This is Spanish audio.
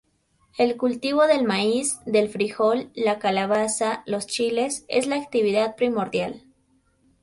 El cultivo del maíz, del frijol, la calabaza, los chiles, es la actividad primordial.